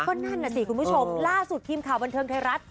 ก็นั่นน่ะสิคุณผู้ชมล่าสุดทีมข่าวบันเทิงไทยรัฐ